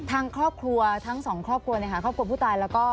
ทางครอบครัวทั้งสองครอบครัวครอบครัวผู้ตายแล้วก็